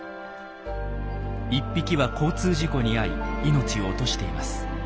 １匹は交通事故に遭い命を落としています。